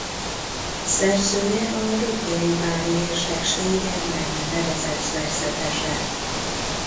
Szerzője a Dukljai-bári érsekség egy meg nem nevezett szerzetese.